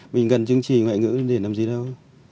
mình cần chứng chỉ ngoại ngữ để làm gì đâu